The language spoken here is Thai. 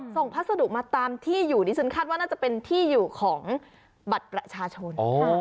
พัสดุมาตามที่อยู่ดิฉันคาดว่าน่าจะเป็นที่อยู่ของบัตรประชาชน